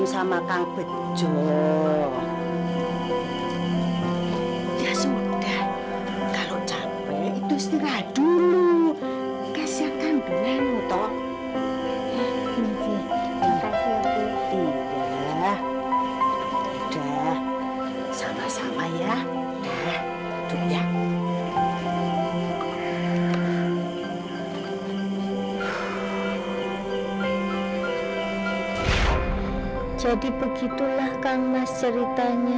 sampai jumpa di video selanjutnya